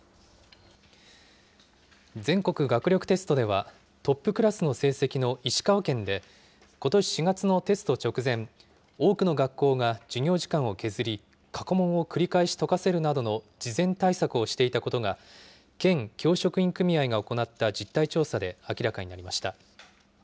全国学力テストでは、トップクラスの成績の石川県で、ことし４月のテスト直前、多くの学校が授業時間を削り、過去問を繰り返し解かせるなどの事前対策をしていたことが、県教職員組合が行った実態調査で明らかになりました。